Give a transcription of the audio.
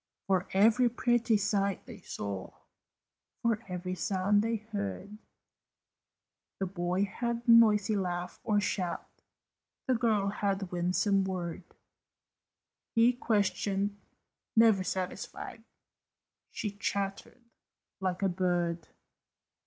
For every pretty sight they saw, For every sound they heard, The boy had noisy laugh or shout, The girl had winsome word He questioned, never satisfied, She chattered like a bird.